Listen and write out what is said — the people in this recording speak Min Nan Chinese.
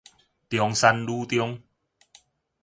中山女中